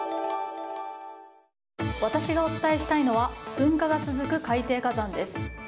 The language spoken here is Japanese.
私がお伝えしたいのは噴火が続く海底火山です。